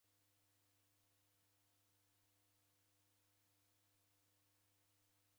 Magome mengi ghekumbwa kwa ijo iaghi.